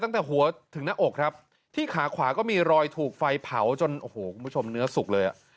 ตั้งแต่หัวถึงหน้าอกครับที่ขาขวาก็มีรอยถูกไฟเผาจนโอ้โหคุณผู้ชมเนื้อสุกเลยอ่ะ